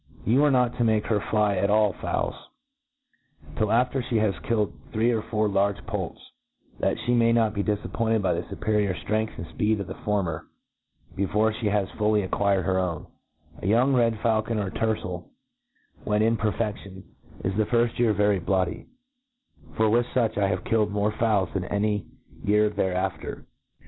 '■ rrtil/ You are not to make her fly at aU fowls, till af* ter flie has killed three or four large poults, that flic may not be dilappointcd by the fuperior ftrength and fpeed of the former before flie has fully ac* quired her own* A young red faulcon or ter cel, when in perfedion, is the firft year very bk)dy y for *with fuch I have killed more fowls than any year thereafter.